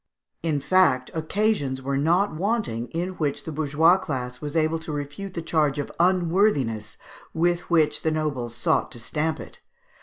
In fact, occasions were not wanting in which the bourgeois class was able to refute the charge of unworthiness with which the nobles sought to stamp it.